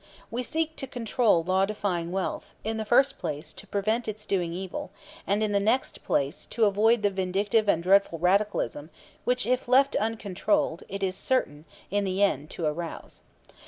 We seek to control law defying wealth, in the first place to prevent its doing evil, and in the next place to avoid the vindictive and dreadful radicalism which if left uncontrolled it is certain in the end to arouse.